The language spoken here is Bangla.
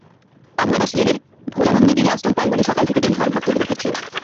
অভয় দাস লেনের ভোলানন্দগিরি আশ্রম প্রাঙ্গণে সকাল থেকে দিনভর ভক্তদের ভিড় ছিল।